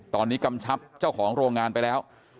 ตอนนี้กำชับเจ้าของโรงงานไปแล้ว